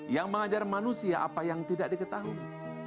yang mengajar manusia apa yang tidak diketahui